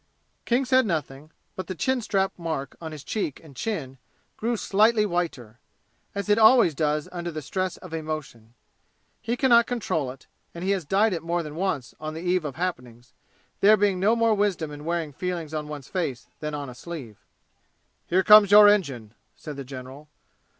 King said nothing, but the chin strap mark on his cheek and chin grew slightly whiter, as it always does under the stress of emotion. He can not control it, and he has dyed it more than once on the eve of happenings, there being no more wisdom in wearing feelings on one's face than on a sleeve. "Here comes your engine," said the general.